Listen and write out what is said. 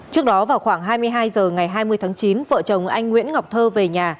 trước đó vào khoảng hai mươi hai h ngày hai mươi tháng chín vợ chồng anh nguyễn ngọc thơ về nhà